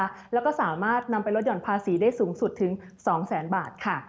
และค่ะวก็สามารถนำไปรดหย่อนภาษีได้สูงสุดถึง๒๐๐บาทค่ะ